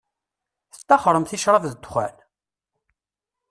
Tettaxxṛemt i ccṛab d dexxan?